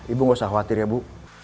ibu nggak usah khawatir ya bu